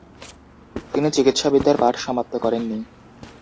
তিনি চিকিৎসাবিদ্যার পাঠ সমাপ্ত করেননি।